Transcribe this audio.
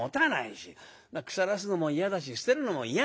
腐らすのも嫌だし捨てるのも嫌なんだ。